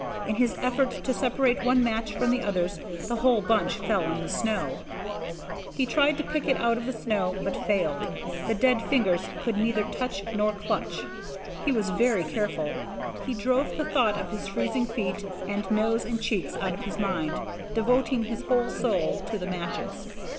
In his effort to separate one match from the others, the whole bunch fell in the snow. He tried to pick it out of the snow, but failed. The dead fingers could neither touch nor clutch. He was very careful. He drove the thought of his freezing feet; and nose, and cheeks, out of his mind, devoting his whole soul to the matches.